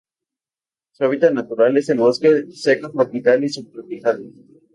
Su hábitat natural es el bosque seco tropical y subtropical.